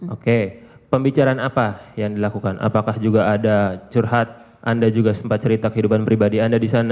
oke pembicaraan apa yang dilakukan apakah juga ada curhat anda juga sempat cerita kehidupan pribadi anda di sana